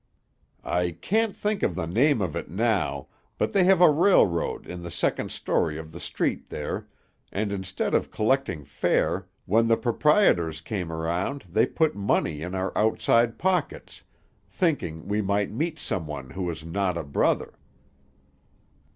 "I can't think of the name of it now, but they have a railroad in the second story of the street there, and instead of collecting fare, when the proprietors came around they put money in our outside pockets, thinking we might meet someone who was not a brother.